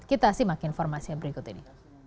kita simak informasi yang berikut ini